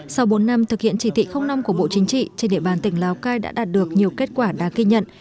sau bốn năm thực hiện chỉ thị năm của bộ chính trị trên địa bàn tỉnh lào cai đã đạt được nhiều kết quả đáng ghi nhận